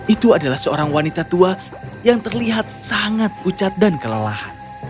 itu adalah seorang wanita tua yang terlihat sangat ucat dan kelelahan